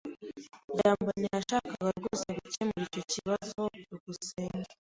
byambo ntiyashakaga rwose gukemura icyo kibazo. byukusenge